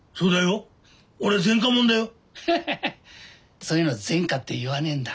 そういうの前科って言わねえんだ。